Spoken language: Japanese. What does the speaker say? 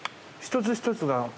一つ一つが。